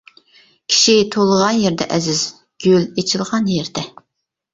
كىشى تۇغۇلغان يېرىدە ئەزىز، گۈل ئېچىلغان يېرىدە.